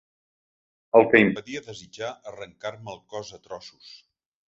El que impedia desitjar arrencar-me el cos a trossos.